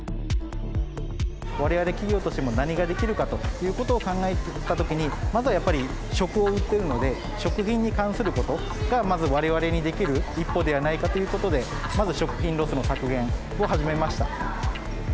我々企業としても何ができるかということを考えたときにまずはやっぱり食を売ってるので食品に関することがまず我々にできる一歩ではないかということでまず食品ロスの削減を始めました。